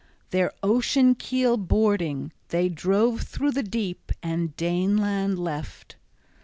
Their ocean keel boarding, they drove through the deep, and Daneland left.